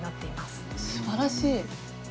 すばらしい！